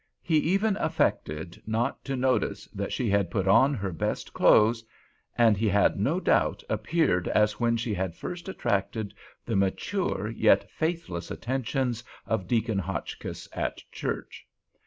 He even affected not to notice that she had put on her best clothes, and he made no doubt appeared as when she had first attracted the mature yet faithless attentions of Deacon Hotchkiss at church.